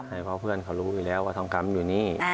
เพราะเพื่อนเขารู้อยู่แล้วว่าทองคำอยู่นี่